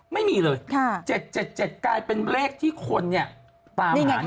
ไม่มีเลย๗๗๗กลายเป็นเลขที่ควรตามหานี่